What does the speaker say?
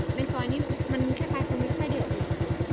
โอ้โฮคุณขับเป็นซอยนี้มันมีความรู้สึกแค่เดี๋ยวอีก